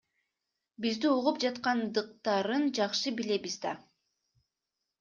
Бизди угуп жаткандыктарын жакшы билебиз да.